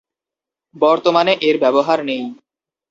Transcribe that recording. বর্তমানে এর ব্যবহার নেই।